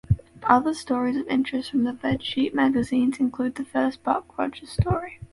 Other stories of interest from the bedsheet magazines include the first Buck Rogers story.